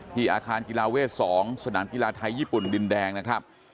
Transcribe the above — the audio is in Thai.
อาคารกีฬาเวท๒สนามกีฬาไทยญี่ปุ่นดินแดงนะครับ